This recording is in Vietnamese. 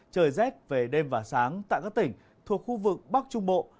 trời rét về đêm và sáng tại các tỉnh thuộc khu vực bắc trung bộ